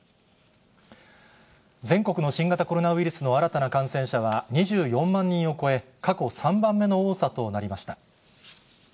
全国の新型コロナウイルスの新たな感染者は２４万人を超え、過去３番目の多さとなりました。